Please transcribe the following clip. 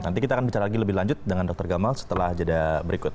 nanti kita akan bicara lagi lebih lanjut dengan dr gamal setelah jeda berikut